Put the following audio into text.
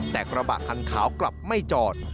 แต่กระบะคันขาวกลับไม่จอด